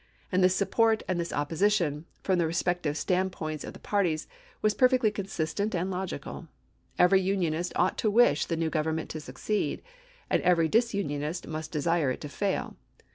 And this support and this opposition, from the respective standpoints of the parties, was perfectly consistent and logical. Every Unionist ought to wish the new government to succeed ; and every disunionist must desire it to fail.